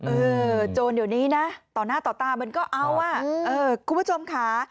โจรเดี๋ยวนี้นะต่อหน้าต่อตามันก็เอาอ่ะเออคุณผู้ชมค่ะ